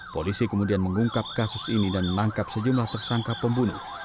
polisi kemudian mengungkap kasus ini dan menangkap sejumlah tersangka pembunuh